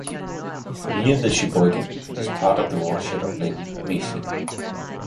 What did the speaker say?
Via the Sheboygan, it is part of the watershed of Lake Michigan.